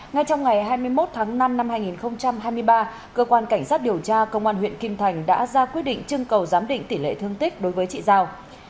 ngay trong ngày hai mươi một tháng năm năm hai nghìn hai mươi ba cơ quan cảnh sát điều tra công an huyện kim thành đã ra quyết định trưng cầu giám định tỷ lệ thương tích đối với chị giao